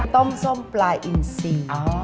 ต้มส้มปลาอินซี